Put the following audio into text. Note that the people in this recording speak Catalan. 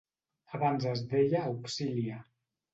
Abans es deia Auxilia.